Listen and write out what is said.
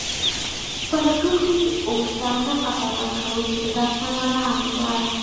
پلټونکی اوسه نه قضاوت کوونکی دا سمه لار ده.